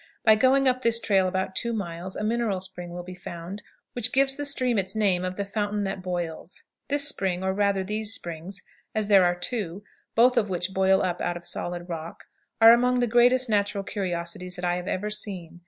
By going up this trail about two miles a mineral spring will be found, which gives the stream its name of "The Fountain that Boils." This spring, or, rather, these springs, as there are two, both of which boil up out of solid rock, are among the greatest natural curiosities that I have ever seen.